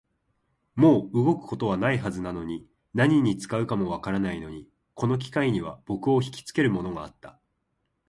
もう動くことはないはずなのに、何に使うかもわからないのに、この機械には僕をひきつけるものがあった